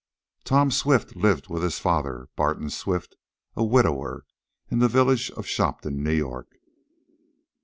Tom Swift lived with his father, Barton Swift, a widower, in the village of Shopton, New York.